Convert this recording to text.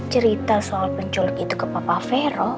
cerita soal penculik itu ke papa vero